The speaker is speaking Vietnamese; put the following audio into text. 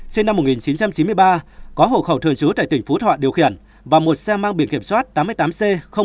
sinh năm một nghìn chín trăm chín mươi ba có hộ khẩu thường trú tại tỉnh phú thọ điều khiển và một xe mang biển kiểm soát tám mươi tám c ba nghìn hai trăm bảy mươi ba